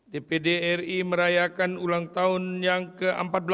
dpd ri merayakan ulang tahun yang ke empat belas